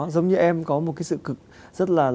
giống như em có một cái sự cực